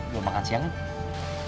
mau makan siang kan